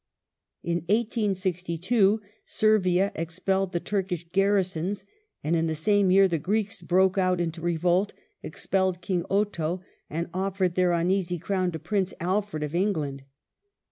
In 1862 Servia expelled the Turkish garrisons, and in the same year the Greeks broke out into revolt, expelled King Otho, and offered their uneasy Crown to Prince Alfred of England.